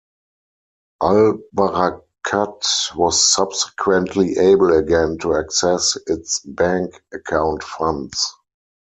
Al-Barakat was subsequently able again to access its bank account funds.